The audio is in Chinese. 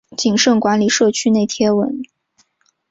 谨慎管理社团内贴文